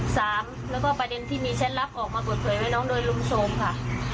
สามแล้วก็ประเด็นที่มีแชทลับออกมาเปิดเผยให้น้องโดยรุมโทรมค่ะ